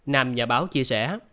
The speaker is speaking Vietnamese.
nàm nhà báo chia sẻ